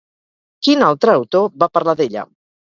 Quin altre autor va parlar d'ella?